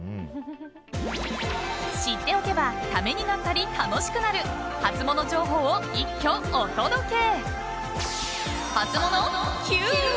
知っておけばためになったり楽しくなるハツモノ情報を一挙お届け。